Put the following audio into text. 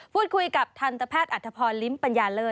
พูดคุยกับทันตแพทย์อัธพรลิ้มปัญญาเลิศ